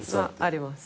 あります。